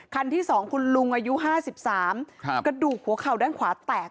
คันที่๒คุณลุงอายุ๕๓กระดูกหัวเข่าด้านขวาแตก